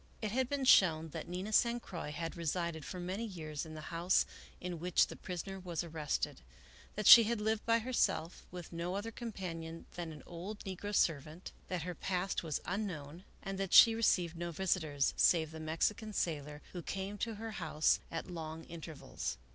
It had been shown that Nina San Croix had resided for many years in the house in which the prisoner was arrested ; that she had lived by herself, with no other companion than an old negro servant ; that her past was unknown, and that she received no visitors, save the Mexican sailor, who came to her house at long intervals.